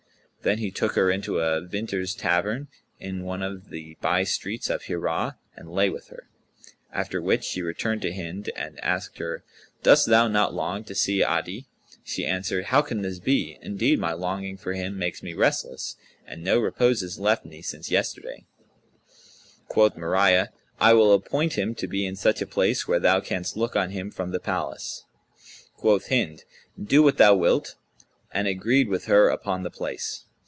Then he took her into a vintner's tavern in one of the by streets of Hirah, and lay with her; after which she returned to Hind and asked her, "Dost thou not long to see Adi?" She answered, "How can this be? Indeed my longing for him makes me restless, and no repose is left me since yesterday." Quoth Mariyah, "I will appoint him to be in such a place, where thou canst look on him from the palace." Quoth Hind, "Do what thou wilt," and agreed with her upon the place.